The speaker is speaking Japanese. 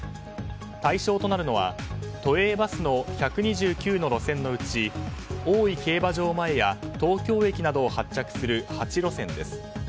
対象となるのは都営バスの１２９の路線のうち大井競馬場前や東京駅などを発着する８路線です。